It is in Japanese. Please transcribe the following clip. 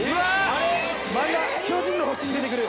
漫画『巨人の星』に出てくる。